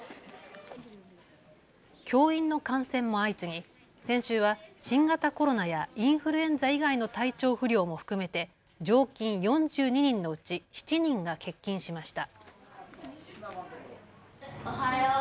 教員の感染も相次ぎ先週は新型コロナやインフルエンザ以外の体調不良も含めて常勤４２人のうち７人が欠勤しました。